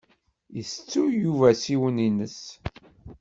Itettuy Yuba ssiwan-ines.